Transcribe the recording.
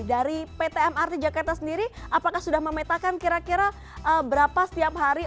dari pt mrt jakarta sendiri apakah sudah memetakan kira kira berapa setiap hari